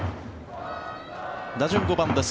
打順、５番です。